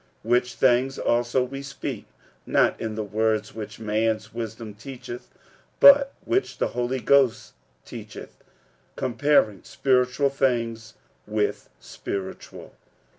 46:002:013 Which things also we speak, not in the words which man's wisdom teacheth, but which the Holy Ghost teacheth; comparing spiritual things with spiritual.